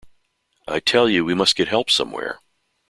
I tell you we must get help somewhere.